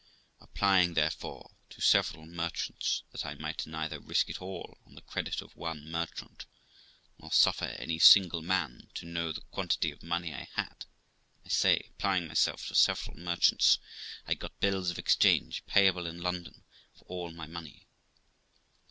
Applying, therefore, to several merchants, that I might neither risk it all on the credit of one merchant, nor suffer any single man to know the quantity of money I had; I say, applying myself to several merchants, I got bills of exchange payable in London for all my money.